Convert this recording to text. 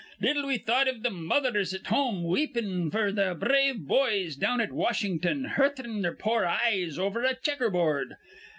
Little we thought iv th' mothers at home weepin' f'r their brave boys down at Washin'ton hur rtin their poor eyes over a checker board.